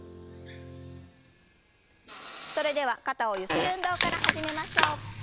それでは肩をゆする運動から始めましょう。